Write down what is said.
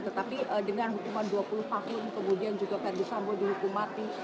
tetapi dengan hukuman dua puluh tahun kemudian juga verdi sambo dihukum mati